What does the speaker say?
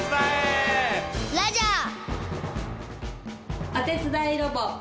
ラジャー！